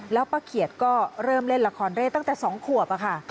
แล้วป้าเขียดก็เริ่มเล่นละครเร่ตั้งแต่๒ขวบค่ะ